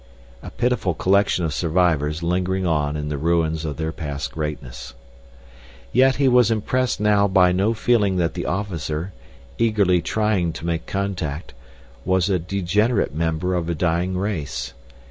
A pitiful collection of survivors lingering on in the ruins of their past greatness. Yet he was impressed now by no feeling that the officer, eagerly trying to make contact, was a degenerate member of a dying race.